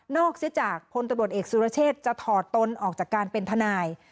นอกเช่จากพลตรบรถเอกสุรเชษฐ์จะถอดตนออกจากการเป็นธนาย